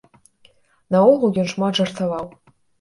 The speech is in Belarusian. Наогул ён шмат жартаваў.